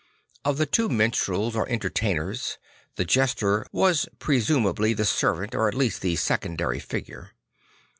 Of the two minstrels or entertainers, the jester was presumably the servant or at least the second ary figure.